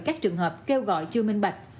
các trường hợp kêu gọi chưa minh bạch